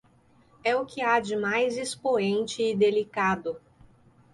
É o que há de mais expoente e delicado